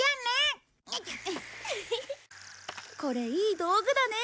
これいい道具だね。